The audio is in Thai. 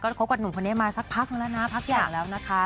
คบกับหนุ่มคนนี้มาสักพักนึงแล้วนะพักใหญ่แล้วนะคะ